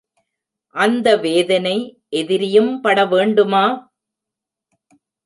அந்த வேதனை எதிரியும் படவேண்டுமா?